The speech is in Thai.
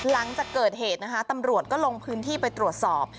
หลังจากเกิดเหตุนะคะตำรวจก็ลงพื้นที่ไปตรวจสอบ